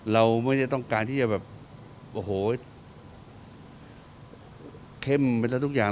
เราไม่ได้ต้องการที่จะแบบโอ้โหเข้มไปแล้วทุกอย่าง